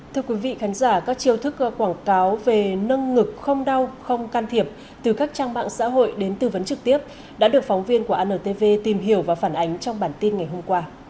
thưa quý vị khán giả các chiêu thức quảng cáo về nâng ngực không đau không can thiệp từ các trang mạng xã hội đến tư vấn trực tiếp đã được phóng viên của antv tìm hiểu và phản ánh trong bản tin ngày hôm qua